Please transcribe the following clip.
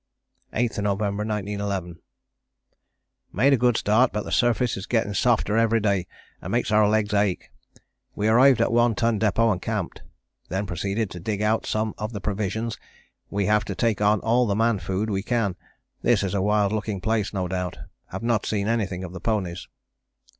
"8th November 1911. "Made a good start, but the surface is getting softer every day and makes our legs ache; we arrived at One Ton Depôt and camped. Then proceeded to dig out some of the provisions, we have to take on all the man food we can, this is a wild looking place no doubt, have not seen anything of the ponies.